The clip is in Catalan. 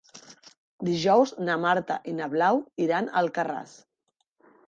Dijous na Marta i na Blau iran a Alcarràs.